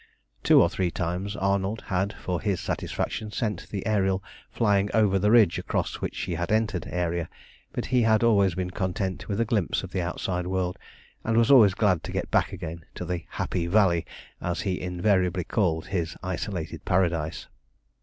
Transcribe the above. Two or three times Arnold had, for his satisfaction, sent the Ariel flying over the ridge across which she had entered Aeria, but he had always been content with a glimpse of the outside world, and was always glad to get back again to the "happy valley," as he invariably called his isolated paradise.